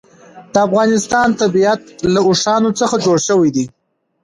د افغانستان طبیعت له اوښانو څخه جوړ شوی دی.